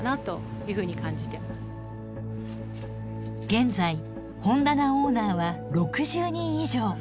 現在本棚オーナーは６０人以上。